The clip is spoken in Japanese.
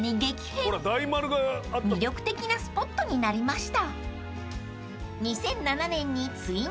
［魅力的なスポットになりました］